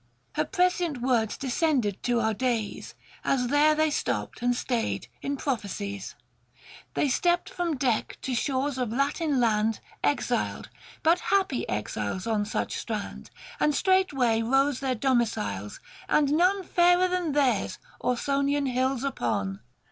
Her prescient words descended to our days As there they stopped and stayed in prophecies. 22 THE FASTI. Book I. They stepped from deck to shores of Latin land 570 Exiled, but happy exiles on such strand ; And straightway rose their domiciles, and none Fairer than theirs Ausonian hi] Is upon.